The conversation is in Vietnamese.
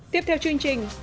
tiếp theo chương trình